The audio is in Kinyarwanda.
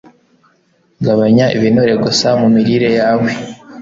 gabanya ibinure gusa mu mirire yawe